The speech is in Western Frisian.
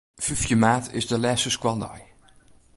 Fyftjin maart is de lêste skoaldei.